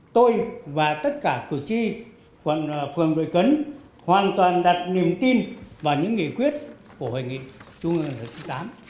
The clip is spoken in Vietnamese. tôi và tất cả cử tri phường đội cấn hoàn toàn đặt niềm tin vào những nghị quyết của hội nghị trung ương viii